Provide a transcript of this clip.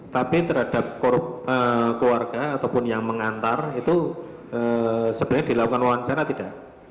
tapi terhadap keluarga ataupun yang mengantar itu sebenarnya dilakukan wawancara tidak